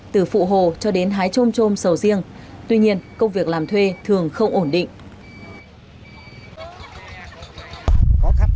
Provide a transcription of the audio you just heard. từ phụ hồ cho đến hái trôm trôm sầu riêng tuy nhiên công việc làm thuê thường không ổn định